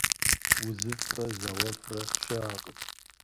УзыфӀрэ зауэфӀрэ щыӀэкъым.